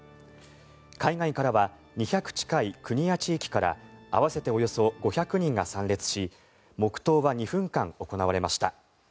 海外からは２００近い国や地域から合わせておよそ５００人が参列し黙祷は２分間行われました。